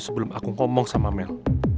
sebelum aku ngomong sama mel